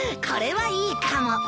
これはいいかも。